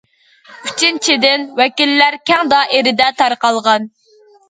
ئۈچىنچىدىن، ۋەكىللەر كەڭ دائىرىدە تارقالغان.